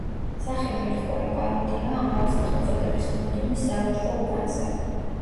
სახელი ერთგვარი პაროდიაა ამავე სახელწოდების ლონდონის სავაჭრო უბანზე.